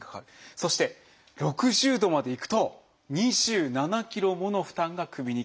そして６０度までいくと２７ｋｇもの負担が首にかかっていると。